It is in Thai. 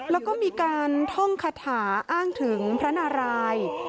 แล้วก็มีการท่องคาถาอ้างถึงพระนาราย